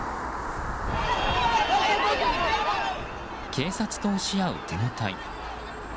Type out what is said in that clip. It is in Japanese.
警察と押し合うデモ隊。